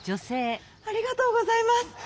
ありがとうございます。